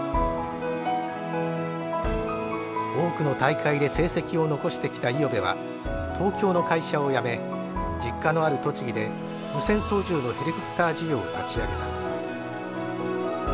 多くの大会で成績を残してきた五百部は東京の会社を辞め実家のある栃木で無線操縦のヘリコプター事業を立ち上げた。